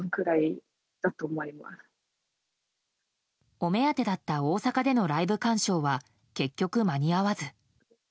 お目当てだった大阪でのライブ鑑賞は結局、間に合わず。